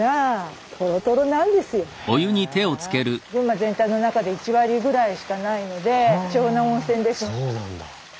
群馬全体の中で１割ぐらいしかないので貴重な温泉です。